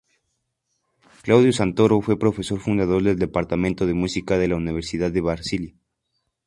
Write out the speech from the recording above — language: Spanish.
Claudio Santoro fue profesor fundador del Departamento de Música de la Universidad de Brasilia.